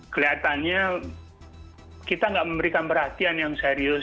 kelihatannya kita tidak memberikan perhatian yang serius